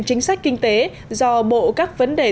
chính sách kinh tế do bộ các vấn đề